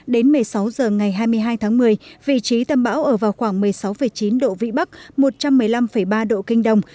đến một mươi sáu h ngày hai mươi hai tháng một mươi vị trí tâm bão ở vào khoảng một mươi sáu chín độ vĩ bắc một trăm một mươi năm ba độ kinh đông